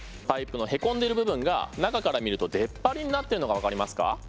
パイプのへこんでる部分が中から見ると出っ張りになってるのが分かりますか？